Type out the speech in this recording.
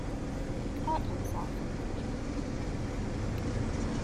He caught himself with a jerk.